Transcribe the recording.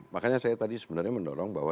makanya saya tadi sebenarnya mendorong bahwa